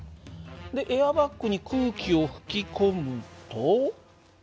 でエアバッグに空気を吹き込むと。